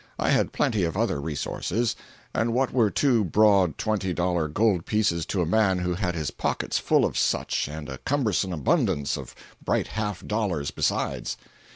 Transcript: I had plenty of other resources, and what were two broad twenty dollar gold pieces to a man who had his pockets full of such and a cumbersome abundance of bright half dollars besides?